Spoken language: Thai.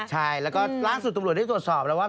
ใช่แล้วก็ล่าสุดตำรวจได้ตรวจสอบแล้วว่า